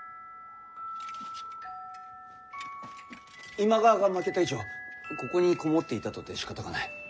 今川が負けた以上ここに籠もっていたとてしかたがない。